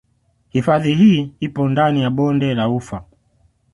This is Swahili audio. Hifadhi hii ipo ndani ya bonde la ufa